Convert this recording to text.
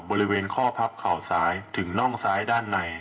บริเวณข้อพับเข่าซ้ายถึงน่องซ้ายด้านใน